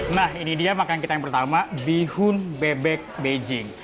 nah ini dia makanan kita yang pertama bihun bebek beijing